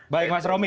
baik mas romi